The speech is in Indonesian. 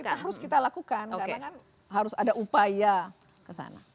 itu harus kita lakukan karena kan harus ada upaya kesana